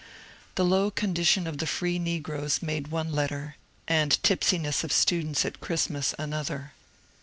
The low condition of the free negroes made one letter, and tipsiness of students at Christmas another.